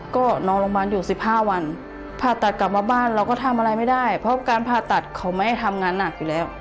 ก็นอนโรงพยาบาลอยู่๑๕วันผ่าตัดกลับมาบ้านเราก็ทำอะไรไม่ได้เพราะการผ่าตัดเขาไม่ทำงานหนักอยู่แล้ว